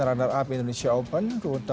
runner up indonesia open dua ribu sembilan belas